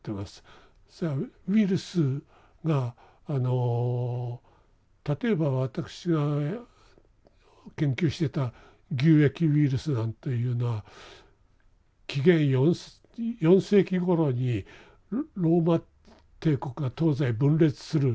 ウイルスがあの例えば私が研究してた牛疫ウイルスなんというのは紀元４世紀ごろにローマ帝国が東西分裂する。